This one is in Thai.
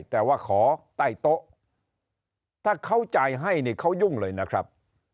แต่ว่าขอใต้โต๊ะถ้าเขาจ่ายให้นี่เขายุ่งเลยนะครับ